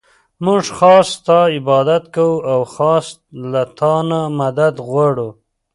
مونږ خاص ستا عبادت كوو او خاص له تا نه مدد غواړو.